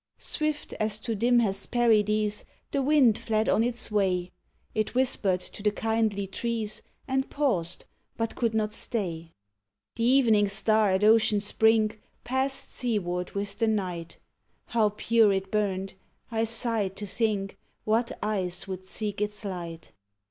Swift, as to dim Hesperides, The wind fled on its way; It whispered to the kindly trees And paused, but could not stay. 138 ULTIMA THULE. The evening star at ocean's brink Passed seaward with the night. How pure it burned! I sighed to think What eyes would seek its light.